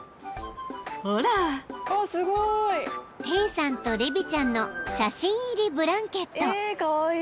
［テイさんとレビちゃんの写真入りブランケット］